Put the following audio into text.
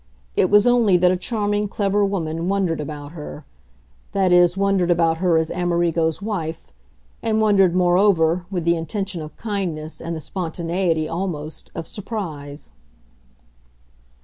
It was only that a charming clever woman wondered about her that is wondered about her as Amerigo's wife, and wondered, moreover, with the intention of kindness and the spontaneity, almost, of surprise.